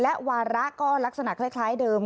และวาระก็ลักษณะคล้ายเดิม